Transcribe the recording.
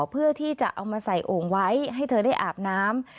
เพื่อที่จะเอามาใส่โอ่งไว้ให้เธอได้อาบน้ำ